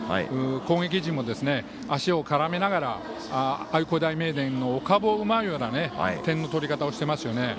攻撃陣も足を絡めながら愛工大名電のお株を奪うような点の取り方をしていますよね。